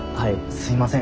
すいません。